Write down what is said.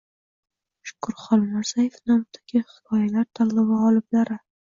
Shukur Xolmirzayev nomidagi hikoyalar tanlovi g‘oliblari